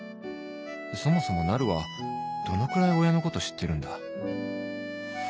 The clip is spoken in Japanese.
そもそもなるはどのくらい親のこと知ってるんだ？